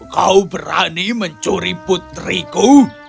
kau berani mencuri putriku